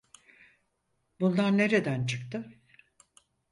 Bunlar nereden çıktı?